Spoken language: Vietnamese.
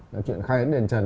là chuyện khai ấn đền trần